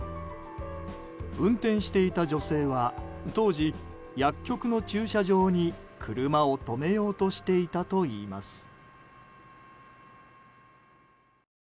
運転していた女性は当時、薬局の駐車場に車を止めようとしていたといいます。